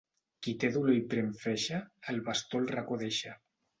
Qui té dolor i pren freixe, el bastó al racó deixa.